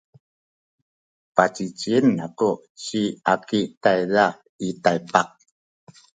pacicien aku ci Aki tayza i Taypak.